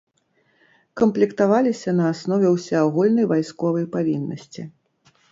Камплектаваліся на аснове ўсеагульнай вайсковай павіннасці.